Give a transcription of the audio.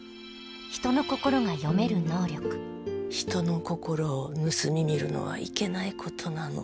それは人の心を盗み見るのはいけないことなの。